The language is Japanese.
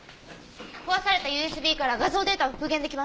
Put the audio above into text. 壊されたＵＳＢから画像データを復元できました。